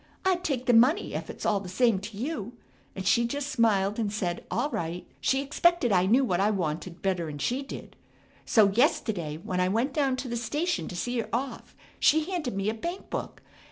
I'd take the money ef it's all the same t'you,' and she jest smiled and said all right, she expected I knew what I wanted better'n she did. So yes'teddy when I went down to the station to see her off she handed me a bank book.